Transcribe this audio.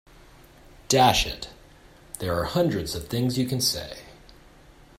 Dash it, there are hundreds of things you can say.